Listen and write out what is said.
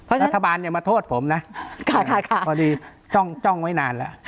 เพราะรัฐบาลเนี่ยมาโทษผมนะพอดีจ้องไว้นานแล้ว